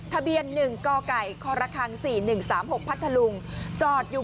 ทะเบียนหนึ่งกล่อไก่ขรคางสี่หนึ่งสามหกพัทลูงจอดอยู่